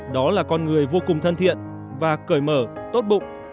đó là con người vô cùng thân thiện và cởi mở tốt bụng